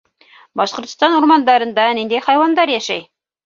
Башҡортостан урмандарында ниндәй хайуандар йәшәй?